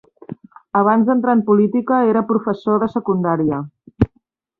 Abans d'entrar en política era professor de secundària.